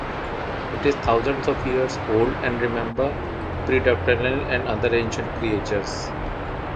It is thousands of years old, and remembers pterodactyls and other ancient creatures.